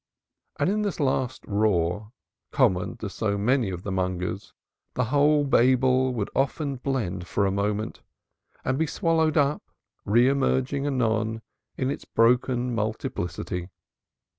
_" And in this last roar, common to so many of the mongers, the whole Babel would often blend for a moment and be swallowed up, re emerging anon in its broken multiplicity.